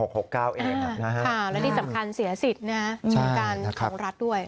ค่ะแล้วที่สำคัญเสียสิทธิ์มีการของรัฐด้วย